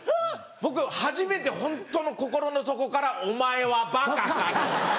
僕初めてホントの心の底から「お前はバカか⁉」と。